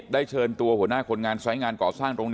ได้เชิญตัวหัวหน้าคนงานซ้ายงานกรอบสร้าง